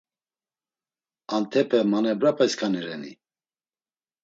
Antepe manebrapeskani reni?